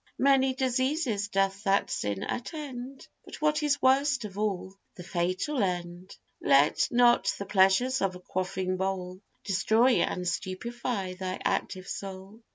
Many diseases doth that sin attend, But what is worst of all, the fatal end: Let not the pleasures of a quaffing bowl Destroy and stupify thy active soul.